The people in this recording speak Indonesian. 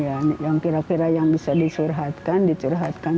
yang kira kira yang bisa disurhatkan dicurhatkan